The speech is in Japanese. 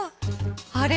あれ？